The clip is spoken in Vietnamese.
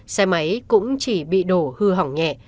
xe máy cũng chỉ bị đổ hư hỏng nhẹ